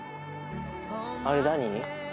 あれ何？